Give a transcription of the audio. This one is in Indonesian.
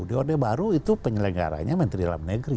di orde baru itu penyelenggaranya menteri dalam negeri